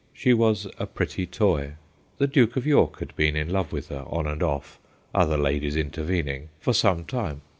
She was a pretty toy. The Duke of York had been in love with her, on and off, other ladies intervening, for some time.